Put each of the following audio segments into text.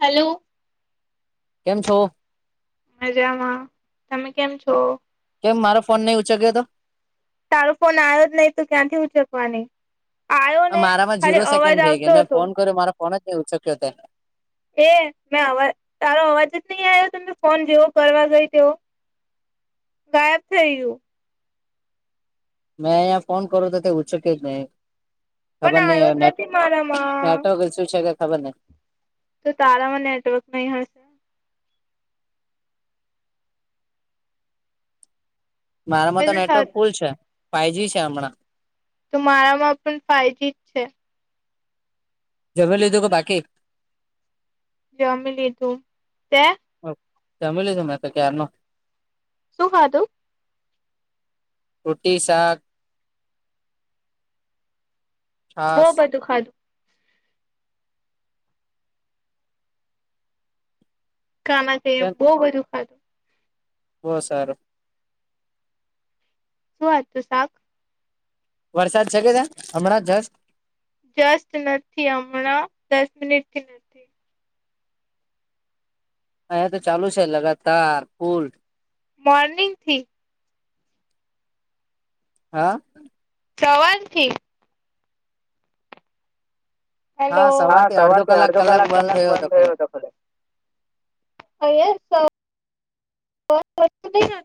Hello! કેમ છો? મજામાં તમે કેમ છો? કેમ મારો ફોન નહી ઉંચગ્યો તો? તારો ફોન આવ્યો જ નહી તો ક્યાંથી ઉચકવા ની? મારામાં ઝીરો સેકન્ડ થઈ આવતો ગયો મેં હતો ફોન કર્યો મારા ફોન જ નઈ ઉ શક્યો તે એ મેં અવાજ તારો અવાજ જ નહી આવ્યો તમે ફોન જેવો કરવા ગઈ તેવો ગાયબ થઈ ગયું મેં અહીંયા ફોન કરો તો તે ઉચકયો જ નહીં પણ ખબર નહ આવ્યો હને જ નથી મારામાં નેટવર્ક ઈશું છે કે ખબર નહી. તો તારામાં નેટવર્ક નહીં હોય મારામાં તો બીજું નેટવર્ક સારું કુલ છે ફાઈવજી છે હમણાંવ તો મારામાં પણ ફાઈવ જી જમી લીધું કે બાકી? જમી લીધું તે? અ જમી લીધું મેં તો ક્યારનું. શું ખાધું? રુટી, શાક બહુ છાસ બધું ખાધું. ગામાં છે એમ બહુ બધું ખાધું. બોવ સારું. શું હતું શાક? વરસાદ છે કે ત્યાં હમણાં જસ્ટ? જસ્ટ નથી હમણાં દસ મિનિટથી નથ અહીંયા તો ચાલુ છે લગાતાર ફુલ. મોર્નિંગથી? હા સવારથી? હલો હા સવારથી અડધો કલાક કલાક બંધ થયો તો ખુલે. અહીંયા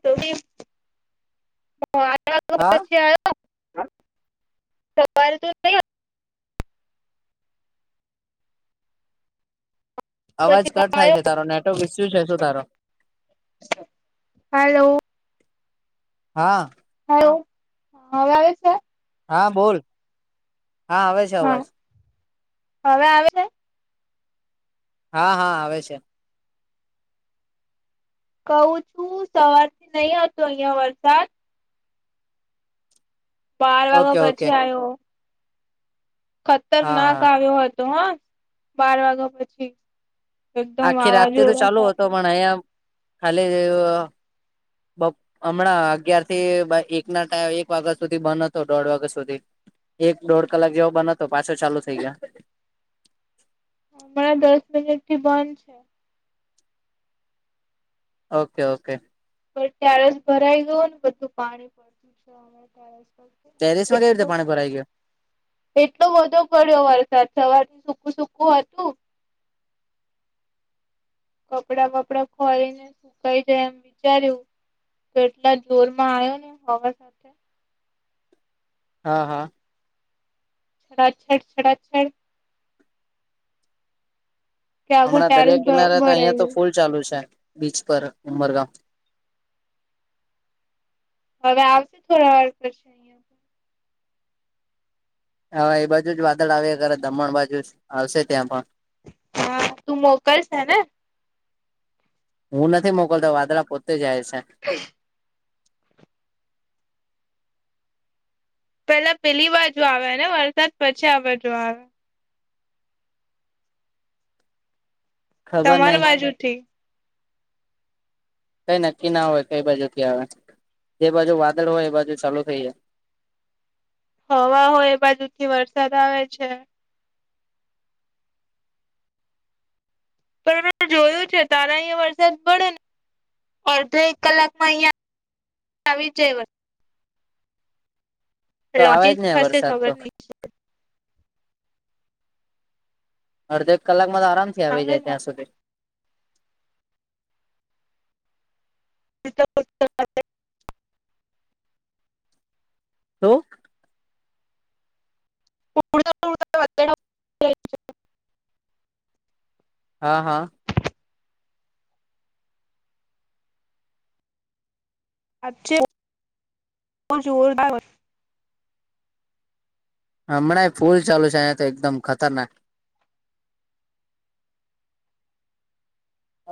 તો [inaudible] તો આઠ વાગા હા પછી આયો એમ સવાર તો નહીં હત અવાજ પછી તો કટ થાય આયો છે તારો નેટવર્ક ઇસ્યુ છે શું તારો? હલો હા હલો હહ હવે આવે છે? હા બોલ. હા આવે છે હા અવાજ. હવે આવે સે? હા હા આવે છે. કઉં છું સવારથી નહી હતો ઈયાં વરસાદ. બાર ઓકે વાગા ઓકે પછી આયો. હા ખતરનાક હા આવ્યો હતો હહ બાર વાગા પછી. એકદમ આખી રાતથી તો વાવાઝોડા ચાલુ હતો સાથે પણ અહિયાં ખાલી બપ હમણાં અગીયારથી એક ના ટાઈ એક વાગા સુધી બંધ હતો દોઢ વાગા સુધી. એક દોઢ કલાક જેવો બન હતો પાછો ચાલુ થઈ ગયો. હમણાં દસ મિનિટથી બંધ છે. ઓકે ઓકે પણ ટેરસ ભરાઈ ગયોને બધું પાણી પડતું છે હવે ટેરેસ પર. ટેરસમાં કઈ રીતે એટલો પાણી ભરાઈ ગયો? એટલો બધો પડ્યો વરસાદ સવારથી સુકું સુકું હતું. કપડાં વપડા ખોલીને સુકાઈ જાય એમ વિચાર્યું. તો એટલા જોરમાં આયો ને હવા સાથ હા હા છડાછડ છડાછડ કે આખું હમણાં ટેરેસ દરિયા કિનારે તો ભરાઈ અહિયાં તો ગયું ફૂલ ચાલુ છે બીચ પર ઉમરગાં. હવે આવશે થોડા વાર પછે અહીં હવે એ બાજુ જ વાદળ આવ્યા કરે દમણ બાજુ જ આવશે ત્યાં પણ. હા તું મોકલ સે ને? હું નથી મોકલતો વાદળા પોતે જાય સે. [inaudible] પેલા પેલી બાજુ આવે ને વરસાદ પછી આ બાજુ આવે. ખબર તમારી નહીં. બાજુથી કઈ નક્કી ના હોય કઈ બાજુથી આવે જે બાજુ વાદળ હોય એ બાજુ ચાલુ થઈ જાય. હવા હોય એ બાજુથી વરસાદ આવે છે. પણ મેં જોયું છે તારા અહીયાં વરસાદ પડે ને. અડધો એક કલાકમાં અહિયાં આવી જવ તો આવા જ લોજિક ને હશે વરસાદ ખબર તો નહી અડધો એક કલાકમાં તો આરામથી આવી આવે જાય ત્યાં સુધી ત તો હ હા હા અછે જોરદાર હમણાં ફૂલ ચાલુ છે અિયાયા તો એકદમ ખતરનાક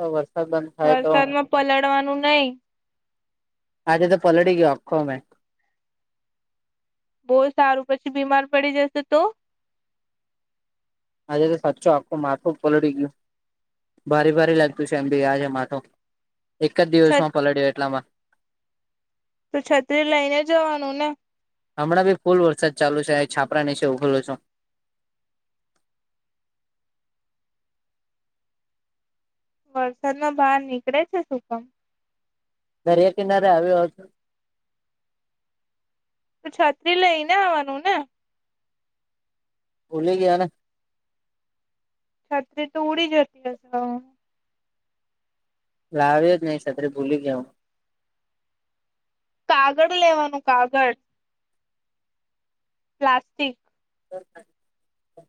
હ વરસાદ બંધ થાય તો વરસાદમાં પલળવાનું નહી આજે તો પલળી ગયો આખો મેં બહુ સારું પછી બીમાર પડી જશે તો આજે તો સાચું આખું મારથું પલળી ગયું ભારે ભારી લાગતું છે એમ ભી આજ માથ એક જ દિવસ માં તો પલળ્યો એટલામાં તો છત્રી લઈને જવાનું ને હમણાંી ફૂલ વરસાદ ચાલુ છે છાપરા ની છે ઉ ખોલું છું વરસાદ ન બહાર નીકળે છે સુકમ દરિયા કિનારે આવ્યો હતો છાત્રી લઈને આવવાનું ને ઉલે ગના છત્રી તો ઉડી જતી લાવ્યો જ નહી સાતરે ભૂલી ગયા હું કાગળ લેવાનું કાગળ પ્લાસ્ટિક હ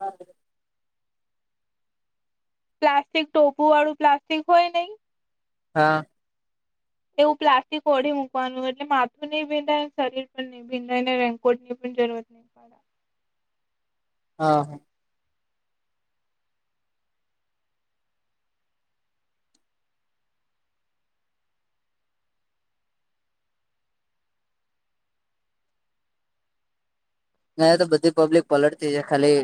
હ પ્લાસ્ટ્ટિક ટોપુ આું પ્લાસ્ટ્ટિક હોય નઈ હા એવું પ્લાસ્ટિક ઓઢી મૂકવાનું એટલે માથું નહી ભેડાય શરીર પણ નહી ભિન્નનેકોર્ટ ની પણ જરૂરત નહી પડે હા હા નાં તો બધી પબ્લિક પલટતી છે ખાલી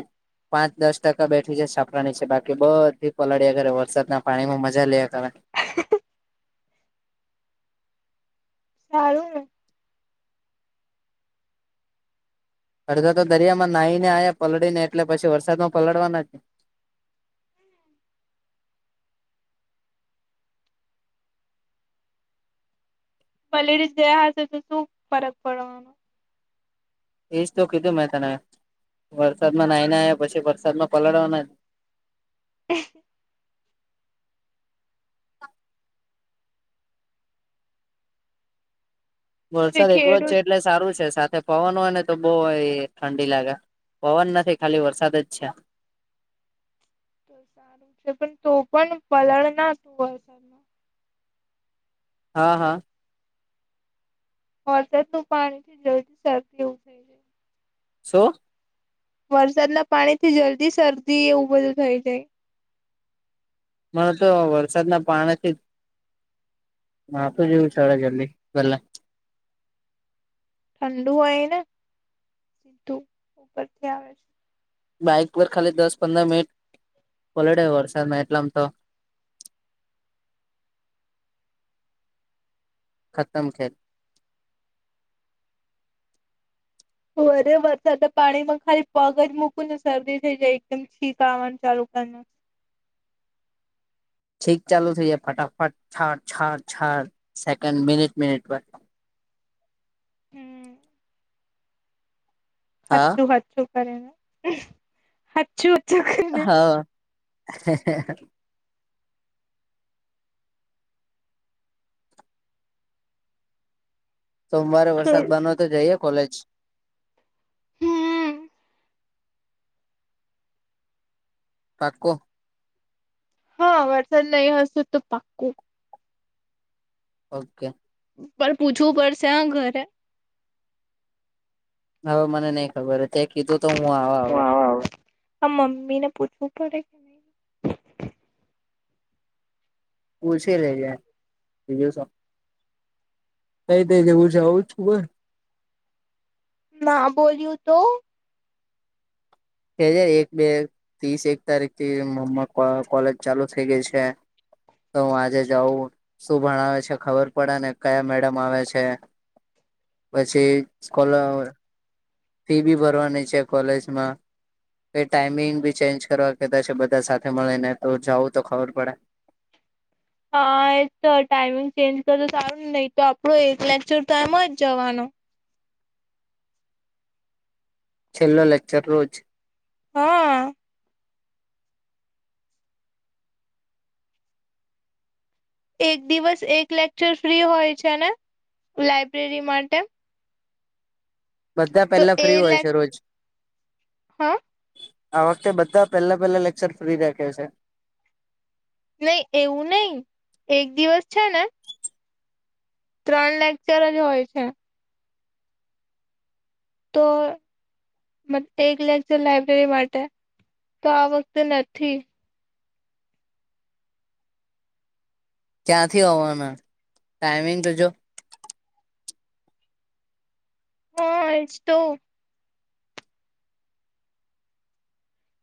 પાંચ દસ ટકા બેઠી છે છપરાની છે બાકી બધી પલાળ્યા ઘે વરસાદના પાણીમાં મજા લ કારણે હળું અડધો તો દરિયામાં નાહી ને આ્યા પલળીને એટલે પછી વરસાદમાં પલળવાના છે બલેરી જ દયા હશે તો શું ફરક પડવાનો એજ તો કીધું મેં તમે વરસાદમાં નાઈ ના્યા પછી વરસાદમાં પલળવાના [inaudible] [inaudible] જે વરસાદ એકલો જ છે ખેડૂત એટલે સારું છે સાથે પવન હોય ને તો બહ ઠંડી લાગે પવન નથી ખાલી વરસાદ જ છે તો સારું છે પણ તો પણ પલળ ના તું વસરમાં હા હા વર્સાતું પાણી થી જલ્દી સરવ સો વરસાદના પાણી થી જલ્દી શરદી એવું બધું થઈ જાય મને તો વરસાદના પાણા છે મા તોું જોું છડા જલ્દી પલા ઠંડુ હોય ને સીધું ઉપરથી આવે છે બાઈક પર ખાલી દસ પંદર મિનિટ ઓલડે વરસાદમાં એટલામ તો ખતમ ખ રે વરસાદ પાણીમાં ખાલી પગ જ મૂકું ને શરદી થઈ જાય એકદમ છીક આવાનું ચાલુ કર ઠીક ચાલુ થઈ જાય ફટાફટ છાર છાર સેકન્ડ મિનિટ મિનિટ હમ હા હતું હતું કરે ને હાચુ હાચુ કરે હ સોમવારે વરસાદ બન હો તો જઈયે કોલેજ હમ પાકો હા વરસાદ નહી હશે તો પાક્કું ઓકે પણ પૂછવું પડશે હ ઘરે હવે મને નઈ ખબર હ તે કીધું તો હું આવા હવે આ મમ્મી ને પૂછવું પડે પૂછી લેજે નહી બીજું શું નઈ થઈ જવું છે આવું જ ખુંબ ના બોલ્યું તો [unintelligible] એક બે ત્રીસ એક તારીખ થી મમ્ કોલેજ ચાલુ થઇ ગઈ છે તો હું આજે જાઉં શું ભણાવે છે ખબર પડે ને કયા મેડમ આવે છે પછી સ્કોલ ફી બી ભરવાની છે કોલેજમાં એ ટાઈમિંગ બી ચેન્જ કરવા કેતા છે બધા સાથે મળી ને તો જઉ તો ખબર પડે હા એ તો ટાઈમિંગ ચેન્જ કર તો સારું ને નહી તો આપડો એક લેક્ચર તો એમ જ જવાનો છેલ્લો લેક્ચર રોજ હા એક દિવસ એક લેક્ચર ફ્રી હોય છે ને લાયબ્રેરી માટે બધા પહેલા ફ્રી હોય છે રોજ હાં આ વખતે બધા પહેલા પહેલા લેક્ચર ફ્રી રાખે છે નહી એવું નહી એક દિવસ છે ને ત્રણ લેક્ચર જ હોય છે તો મ એક લેક્ચર લાઈબ્રેરી માટે તો આ વખતે નથી ક્યાંથી હોવાના ટાઈમિંગ તો જો હા આજ તો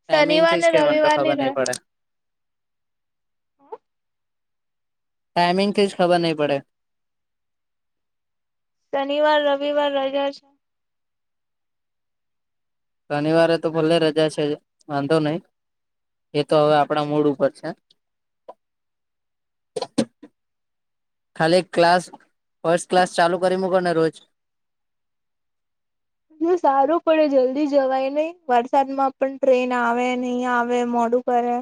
ટાઈમિંગ શનિવાર થી જ ને કે મને તો રવિવાર ની ખબર નહી પડે હું ટાઈમિંગ થી જ ખબર નહીં પડે શનિવાર રવિવાર રજા છ શનિવારે તો ભલે રજા છે વાંધો નહી એ તો હવે આપડા મૂડ ઉપર છે ખાલી ક્લાસ ફસ્ટ ક્લાસ ચાલુ કરી મકો ને રોજ બ સારું પડે જલ્દી જવાય નહિ વરસાદમાં પણ ટ્રેન આવે નહી આવે મોડું કરે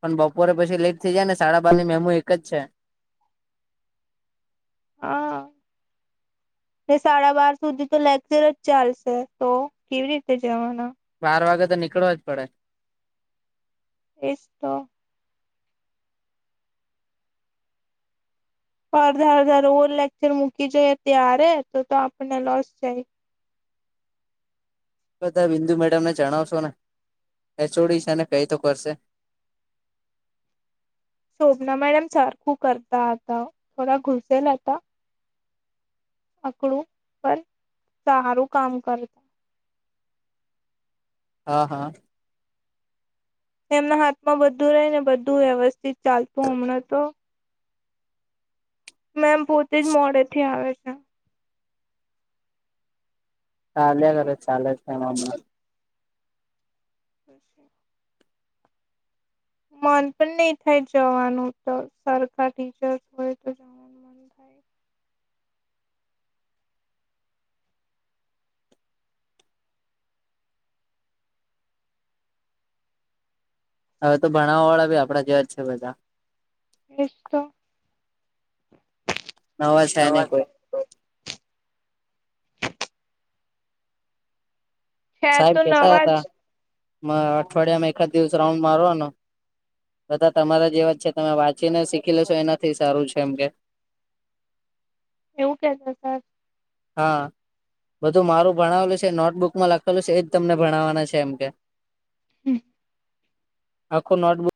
પણ બપોરે પછી લેટ થઈ જાય ને સાડા બારની મેમુ એક જ છે એ સાડા બાર સુધી તો લેક્શે જ ચાલશે તો કેવી રીતે જવાના બાર વાગે તો નીકળવા જ પડે એ જ તો અડધા અડધા રોજ લેક્ચર મૂકી જોઈએ ત્યારે તો તો આપણને લોસ જાય બધા બિંદુ મેડમને જણાવશો ને એચોડી છેને કઈ તો કરશે સોભ્ના મેડમ સરખું કરતા હતા હતા થોડા ઘુસેલ હતા અકડું પર સારું કામ કર હા હા એમના હાથમાં બધું રહી ને બધું વ્યવસ્થિત ચાલતું હમણાં તો મેમ પોતે જ મોડે થી આવે છે ચાલે કર ચાલે છે પછી મન પણ નહીિ થાય જવાનું તો સરખા ટીચર્સ હોય તો જ હવે તો ભણાવવા વાળા બી આપડા જેવા જ છે બધા નિશો નવા છે ન કોઈ છે સાહેબ તો કેતા નવા જ હતા અઠવાડિયામાં એકાદ દિવસ રાઉન્ડ મારવાનો બધા તમારા જેવા છે તમે વાંચીને શીખી લેશો એનાથી સારું છે એમ કે એવું કેતા સર હા બધું મારું ભણાવેલું છે નોટબુકમાં લખેલું છે એજ તમને ભણાવવાના છે એમ કે હમ આખો નોટબુક